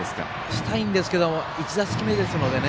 したいんですけれども１打席目ですのでね。